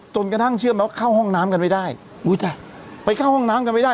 จนกระทั่งเชื่อไหมว่าเข้าห้องน้ำกันไม่ได้อุ้ยจ้ะไปเข้าห้องน้ำกันไม่ได้